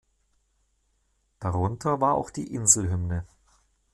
Darunter war auch die Insel-Hymne.